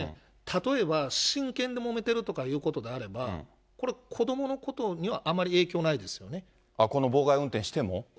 例えば親権でもめてるとかいうことがあれば、これ、子どものことこの妨害運転しても？